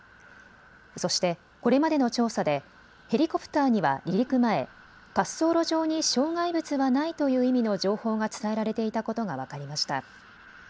そして、これまでの調査でヘリコプターには離陸前、滑走路上に障害物はないという意味の情報が伝えられていたことが分かりました。